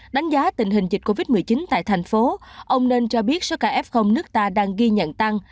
đánh giá tình hình dịch covid một mươi chín tại thành phố ông nên cho biết số ca f nước ta đang ghi nhận tăng